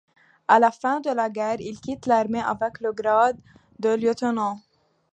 À la fin de la guerre, il quitte l'armée avec le grade de lieutenant.